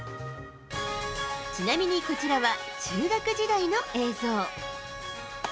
ちなみにこちらは、中学時代の映像。